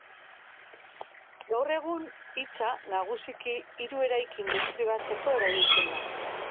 Gaur egun, hitza, nagusiki, hiru eraikin deskribatzeko erabiltzen da.